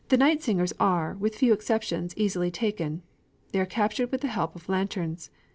] The night singers are, with few exceptions, easily taken. They are captured with the help of lanterns.